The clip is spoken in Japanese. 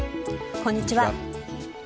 こんにちは。